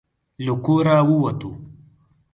له کوره ووتو.